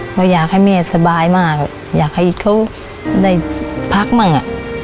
เพราะอยากให้แม่สบายมากอยากให้เขาได้พักบ้าง